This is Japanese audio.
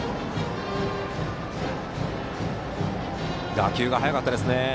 打球が速かったですね。